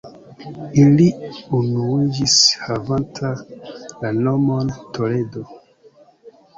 Ili unuiĝis havanta la nomon Toledo.